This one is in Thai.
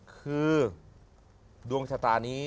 คือดวงชะตานี้